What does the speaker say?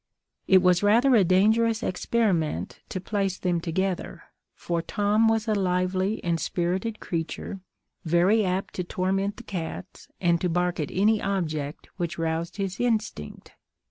It was rather a dangerous experiment to place them together, for Tom was a lively and spirited creature, very apt to torment the cats, and to bark at any object which roused his instinct.